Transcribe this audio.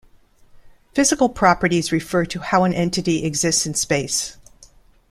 Physical properties refer to how an entity exists in space.